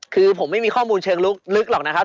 คือผมไม่มีข้อมูลเชิงลึกหรอกนะครับ